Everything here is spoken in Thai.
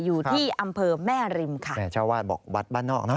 อยู่ที่อำเภอแม่ริมค่ะแม่เจ้าวาดบอกวัดบ้านนอกนะ